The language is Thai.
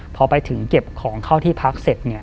พอไปถึงเก็บของเข้าที่พักเสร็จ